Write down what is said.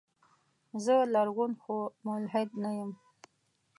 زه لرغون خو ملحد نه يم.